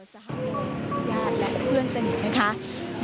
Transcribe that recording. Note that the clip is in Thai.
สหรัฐและเพื่อนสนิทนะครับ